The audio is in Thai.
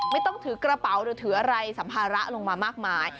ไม่ต้องถือกระเป๋าหรือถืออะไรสัมภาระลงมามากมาย